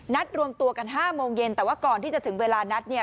รวมตัวกัน๕โมงเย็นแต่ว่าก่อนที่จะถึงเวลานัดเนี่ย